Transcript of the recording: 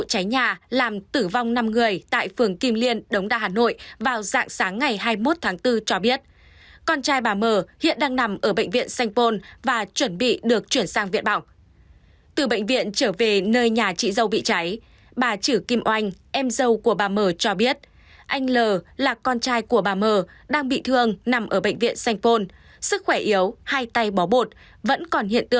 hãy nhớ like share và đăng ký kênh của chúng mình nhé